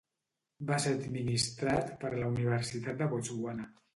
Va ser administrat per la Universitat de Botswana.